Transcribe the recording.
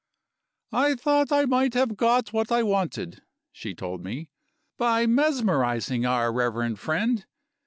"I thought I might have got at what I wanted," she told me, "by mesmerizing our reverend friend.